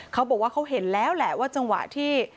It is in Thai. เขาบอกว่าเขาเห็นแล้วแหละว่าจังหวะที่